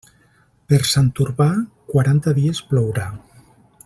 Per Sant Urbà, quaranta dies plourà.